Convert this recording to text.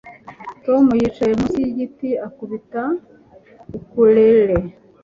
Tom yicaye munsi yigiti akubita ukulele